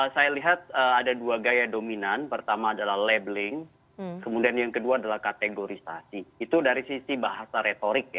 saya lihat ada dua gaya dominan pertama adalah labeling kemudian yang kedua adalah kategorisasi itu dari sisi bahasa retorik ya